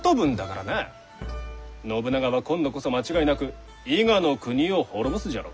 信長は今度こそ間違いなく伊賀国を滅ぼすじゃろ。